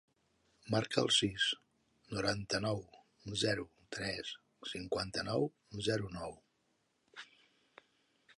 Marca el sis, noranta-nou, zero, tres, cinquanta-nou, zero, nou.